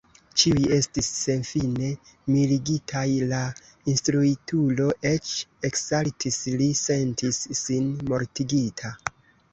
Ĉiuj estis senfine mirigitaj, la instruitulo eĉ eksaltis; li sentis sin mortigita!